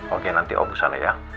oke nanti om kesana ya